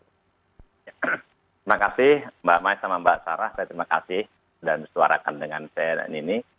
terima kasih mbak mai sama mbak sarah saya terima kasih dan suarakan dengan cnn ini